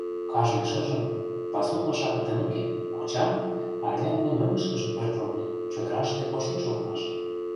Кажне шыжым, пасу паша пытымеке, кочам, арня дене мӧҥгышкыжӧ пӧртылде, чодыраште коштеш улмаш.